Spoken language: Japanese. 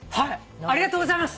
ありがとうございます。